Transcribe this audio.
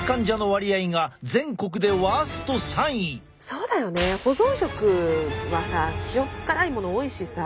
そうだよね保存食はさ塩っ辛いもの多いしさ。